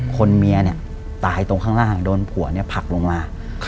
คนเมียเนี่ยตายตรงข้างล่างโดนผัวเนี่ยผลักลงมา